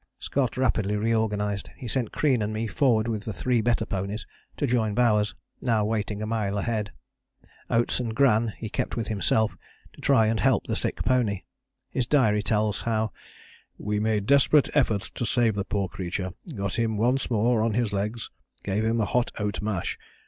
Scott rapidly reorganized. He sent Crean and me forward with the three better ponies to join Bowers, now waiting a mile ahead. Oates and Gran he kept with himself, to try and help the sick pony. His diary tells how "we made desperate efforts to save the poor creature, got him once more on his legs, gave him a hot oat mash.